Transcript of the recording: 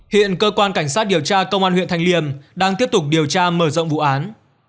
hiện cơ quan cảnh sát điều tra công an huyện thanh liêm đang tiếp tục điều tra mở rộng vụ án